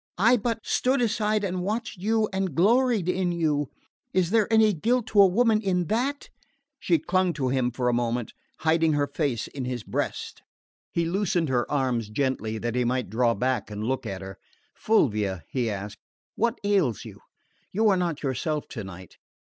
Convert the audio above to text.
I but stood aside and watched you and gloried in you is there any guilt to a woman in THAT?" She clung to him a moment, hiding her face in his breast. He loosened her arms gently, that he might draw back and look at her. "Fulvia," he asked, "what ails you? You are not yourself tonight.